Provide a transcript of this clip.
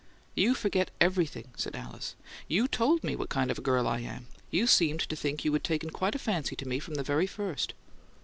"You forget everything;" said Alice. "You told me what kind of a girl I am. You seemed to think you'd taken quite a fancy to me from the very first."